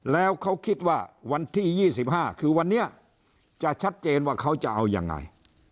แล้วเขาคิดว่าวันที่๒๕คือวันนี้จะชัดเจนว่าเขาจะเอายังไง